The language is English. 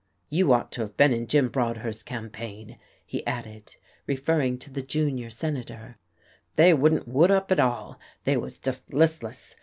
You ought to have been in Jim Broadhurst's campaign," he added, referring to the junior senator, "they wouldn't wood up at all, they was just listless.